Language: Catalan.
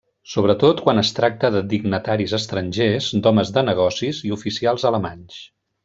Sobretot quan es tracta de dignataris estrangers, d'homes de negocis i oficials alemanys.